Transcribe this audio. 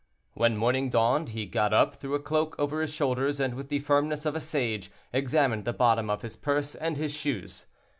When morning dawned he got up, threw a cloak over his shoulders, and with the firmness of a sage, examined the bottom of his purse and his shoes.